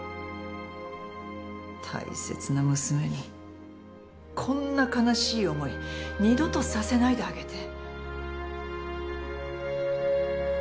大切な娘にこんな悲しい思い二度とさせないであげて。